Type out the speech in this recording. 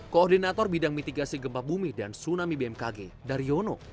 koordinator bidang mitigasi gempa bumi dan tsunami bmkg daryono